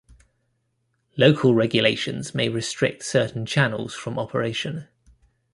Local regulations may restrict certain channels from operation.